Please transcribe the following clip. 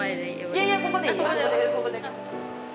いやいやここでいい。